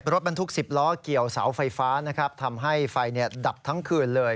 รถบรรทุก๑๐ล้อเกี่ยวเสาไฟฟ้านะครับทำให้ไฟดับทั้งคืนเลย